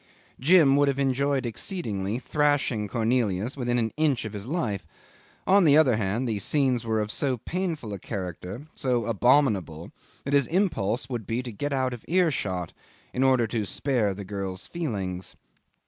Jim would have enjoyed exceedingly thrashing Cornelius within an inch of his life; on the other hand, the scenes were of so painful a character, so abominable, that his impulse would be to get out of earshot, in order to spare the girl's feelings.